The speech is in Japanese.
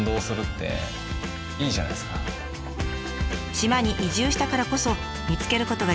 島に移住したからこそ見つけることができた